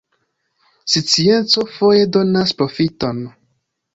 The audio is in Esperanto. Scienco foje donas proﬁton.